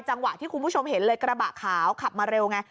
จังหวะที่คุณผู้ชมเห็นเลยกระบะขาวขับมาเร็วไง